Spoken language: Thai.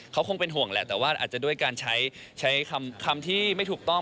เขาคงเป็นห่วงแหละแต่ว่าอาจจะด้วยการใช้คำที่ไม่ถูกต้อง